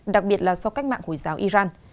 đặc biệt là sau cách mạng hồi giáo iran